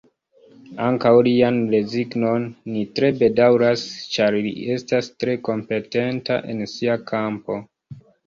Ankaŭ lian rezignon ni tre bedaŭras, ĉar li estas tre kompetenta en sia kampo.